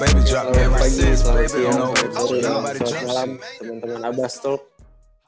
halo selamat malam teman teman abastalk